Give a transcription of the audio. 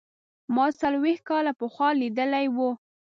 ما څلوېښت کاله پخوا لیدلی و.